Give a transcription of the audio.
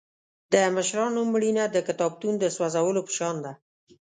د مشرانو مړینه د کتابتون د سوځولو په شان ده.